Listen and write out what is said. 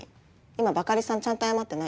今バカリさんちゃんと謝ってないよ。